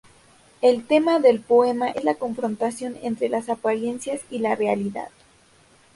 El tema del poema es la confrontación entre las apariencias y la realidad.